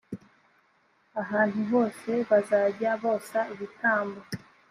ahantu hose bazajya bosa ibitambo